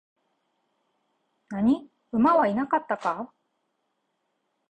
何、馬はいなかったか?